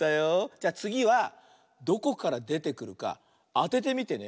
じゃあつぎはどこからでてくるかあててみてね。